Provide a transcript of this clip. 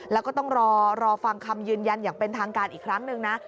แล้วก็ต้องรอฟังคำยืนยันอย่างเป็นทางการอีกครั้งหนึ่งนะ